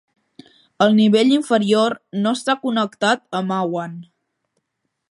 El nivell inferior no està connectat a Ma Wan.